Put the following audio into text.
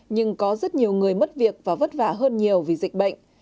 nhưng có rất nhiều người mất việc và vất vả hơn nhiều vì dịch bệnh